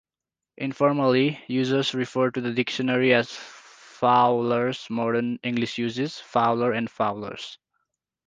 Informally, users refer to the dictionary as Fowler's Modern English Usage, Fowler, and Fowler's.